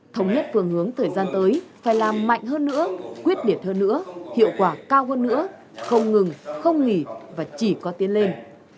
thống nhất phương hướng thời gian tới phải làm mạnh hơn nữa quyết liệt hơn nữa hiệu quả cao hơn nữa không ngừng không nghỉ và chỉ có tiến lên